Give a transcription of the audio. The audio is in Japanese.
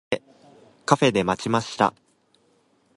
カフェで待ちました。